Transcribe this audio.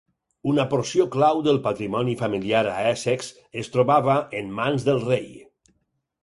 Una porció clau del patrimoni familiar a Essex es trobava en mans del rei.